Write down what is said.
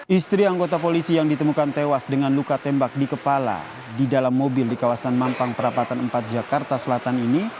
istri anggota polisi yang ditemukan tewas dengan luka tembak di kepala di dalam mobil di kawasan mampang perapatan empat jakarta selatan ini